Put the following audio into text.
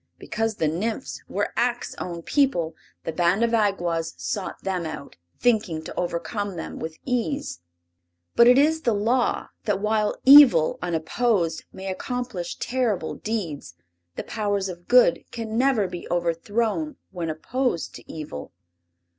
Because the Nymphs were Ak's own people the band of Awgwas sought them out, thinking to overcome them with ease. But it is the Law that while Evil, unopposed, may accomplish terrible deeds, the powers of Good can never be overthrown when opposed to Evil.